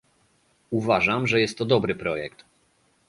Uważam, że jest to dobry projekt